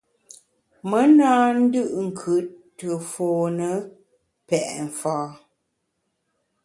Me na ndù’nkùt te fone pèt mfâ.